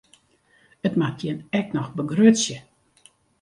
It moat jin ek noch begrutsje.